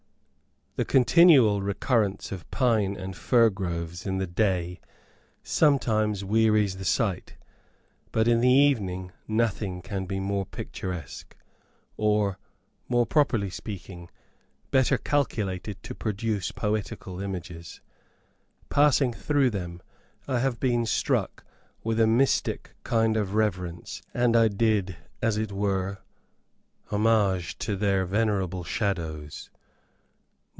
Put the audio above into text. The continual recurrence of pine and fir groves in the day sometimes wearies the sight, but in the evening, nothing can be more picturesque, or, more properly speaking, better calculated to produce poetical images. Passing through them, I have been struck with a mystic kind of reverence, and I did, as it were, homage to their venerable shadows.